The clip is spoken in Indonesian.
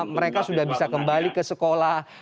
mereka sudah bisa kembali ke sekolah